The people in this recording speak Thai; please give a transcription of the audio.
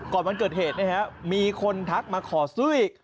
ก่อนวันเกิดเหตุนะครับมีคนทักมาขอซื้ออีก